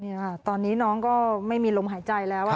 นี่ค่ะตอนนี้น้องก็ไม่มีลมหายใจแล้ว